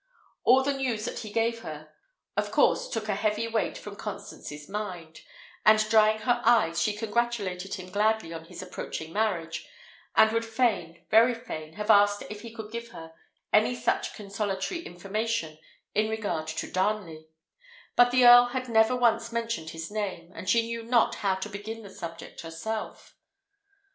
All the news that he gave her, yof course, took a heavy weight from Constance's mind; and drying her eyes, she congratulated him gladly on his approaching marriage, and would fain, very fain, have asked if he could give her any such consolatory information in regard to Darnley; but the earl had never once mentioned his name, and she knew not how to begin the subject herself.